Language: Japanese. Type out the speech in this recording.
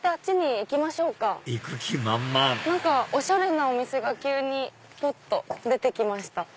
行く気満々おしゃれなお店が急にぽっと出て来ました。